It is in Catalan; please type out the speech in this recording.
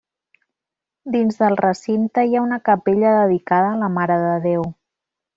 Dins del recinte hi ha una capella dedicada a la Mare de Déu.